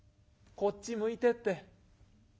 こっち向いてって』。